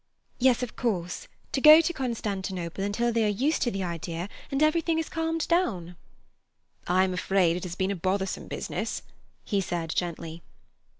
"Yes, of course; to go to Constantinople until they are used to the idea and everything has calmed down." "I am afraid it has been a bothersome business," he said gently.